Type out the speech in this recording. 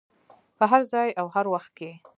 په هر ځای او هر وخت کې.